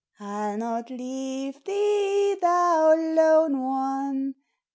I '11 not leave tl thou lone one!